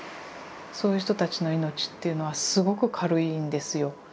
そういう人たちの命っていうのはすごく軽いんですよ。